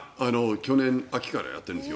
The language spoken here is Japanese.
去年秋からやってるんですよ。